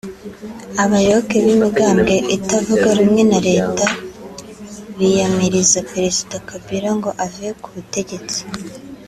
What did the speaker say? abayoboke b’imigambwe itavuga rumwe na reta biyamiriza perezida Kabila ngo ave ku butegetsi